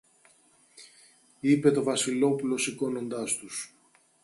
είπε το Βασιλόπουλο σηκώνοντας τους